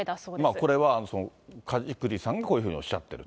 これは梶栗さんがそういうふうにおっしゃってると。